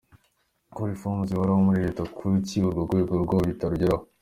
Ko reform zihoraho muri Leta kuki urwo rwego rwo bitarugeraho.